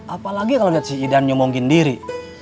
apalagi kalau lihat si idan nyomongin diri